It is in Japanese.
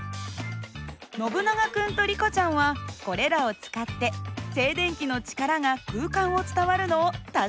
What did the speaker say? ノブナガ君とリコちゃんはこれらを使って静電気の力が空間を伝わるのを確かめられるかな？